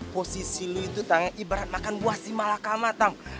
posisi lo itu tang ibarat makan buah si malakama tang